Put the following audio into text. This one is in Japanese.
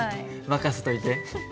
任せといて。